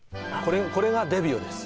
これがデビューです